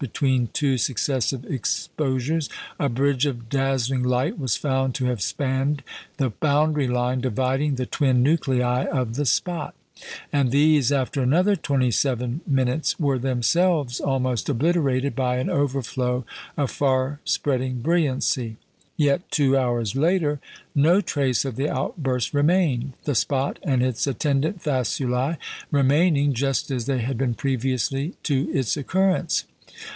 between two successive exposures, a bridge of dazzling light was found to have spanned the boundary line dividing the twin nuclei of the spot; and these, after another 27m., were themselves almost obliterated by an overflow of far spreading brilliancy. Yet two hours later, no trace of the outburst remained, the spot and its attendant faculæ remaining just as they had been previously to its occurrence.